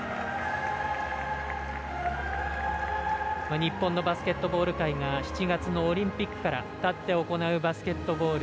日本のバスケットボール界が７月のオリンピックから立って行うバスケットボール。